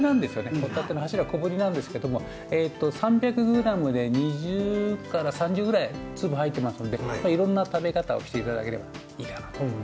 ほたての柱小ぶりなんですけども３００ｇで２０から３０くらい粒入ってますのでいろんな食べ方をしていただければいいかなと。